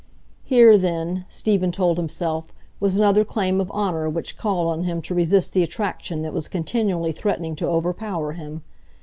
Here, then, Stephen told himself, was another claim of honour which called on him to resist the attraction that was continually threatening to overpower him.